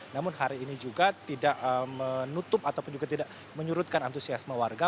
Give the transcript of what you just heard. namun hari ini juga tidak menutup ataupun juga tidak menyurutkan antusiasme warga